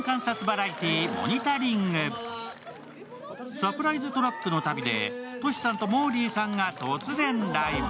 サプライズトラックの旅でＴｏｓｈｌさんともーりーさんが突然ライブ。